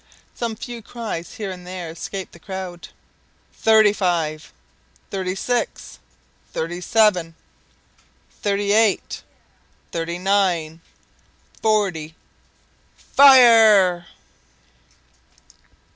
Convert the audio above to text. Some few cries here and there escaped the crowd. "Thirty five!—thirty six!—thirty seven!—thirty eight!—thirty nine!— forty! FIRE!!!"